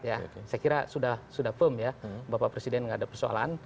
saya kira sudah firm ya bapak presiden tidak ada persoalan